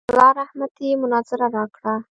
رحمت الله رحمتي مناظره راکړه.